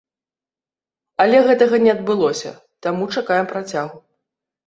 Але гэтага не адбылося, таму чакаем працягу.